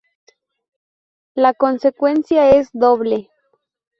La consecuencia es doble.